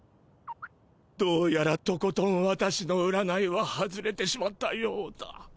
どうやらとことん私の占いは外れてしまったようだ。